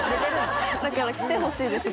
だから来てほしいです